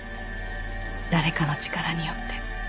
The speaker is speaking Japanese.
誰かの力によって。